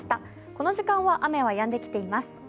この時間は雨はやんできています。